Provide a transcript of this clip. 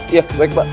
iya baik pak